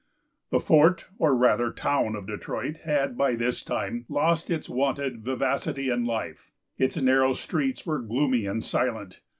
The fort, or rather town, of Detroit had, by this time, lost its wonted vivacity and life. Its narrow streets were gloomy and silent.